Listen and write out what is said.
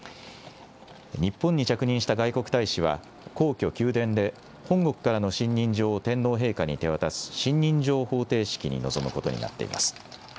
日本に着任した外国大使は、皇居・宮殿で、本国からの信任状を天皇陛下に手渡す信任状捧呈式に臨むことになっています。